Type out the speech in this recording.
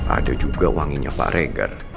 ada juga wanginya pak reger